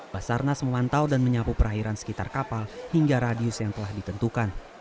basarnas memantau dan menyapu perairan sekitar kapal hingga radius yang telah ditentukan